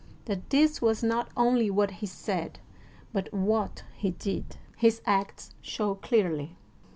That this was not only what he said, but what he did, his acts show clearly.